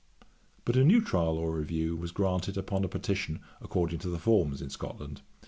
But a new trial or review was granted upon a petition, according to the forms in Scotland.